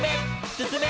すすめ！